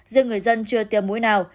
giờ người dân chưa tiêm mũi nào